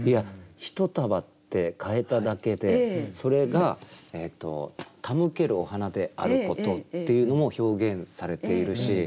「一束」って変えただけでそれが手向けるお花であることっていうのも表現されているし。